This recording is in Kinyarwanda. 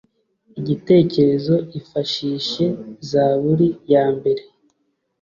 igitekerezo ifashishe zaburi ya mbere